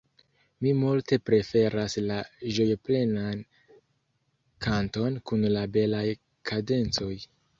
Mi multe preferas la ĝojoplenan kanton kun la belaj kadencoj.